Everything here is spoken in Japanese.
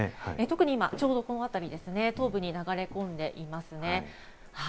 特に今、ちょうどこのあたりですね、東部に流れ込んでいますね。